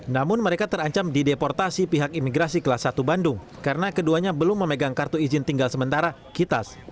namun mereka terancam dideportasi pihak imigrasi kelas satu bandung karena keduanya belum memegang kartu izin tinggal sementara kitas